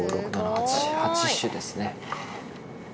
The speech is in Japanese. ８種ですね。